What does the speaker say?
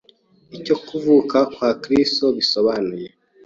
Icyo kuvuka kwa Kristo bisobanuye